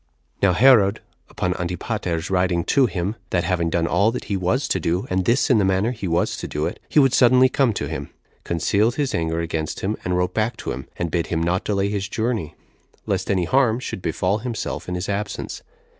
1. Now Herod, upon Antipater's writing to him, that having done all that he was to do, and this in the manner he was to do it, he would suddenly come to him, concealed his anger against him, and wrote back to him, and bid him not delay his journey, lest any harm should befall himself in his absence.